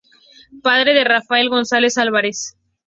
Padre de Rafael González Álvarez.